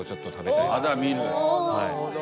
なるほど。